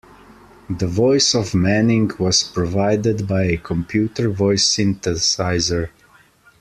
The voice of Manning was provided by a computer voice synthesizer.